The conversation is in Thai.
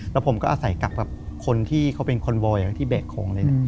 แล้วผมก็อาศัยกลับกับคนที่เขาเป็นคนบอยที่แบกของเลยนะ